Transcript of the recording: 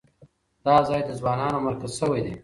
دا ځای د ځوانانو مرکز شوی دی.